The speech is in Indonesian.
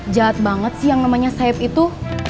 jahat banget sih yang namanya sape itu